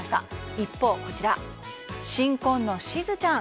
一方、新婚のしずちゃん